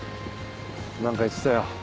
何か言ってたよ。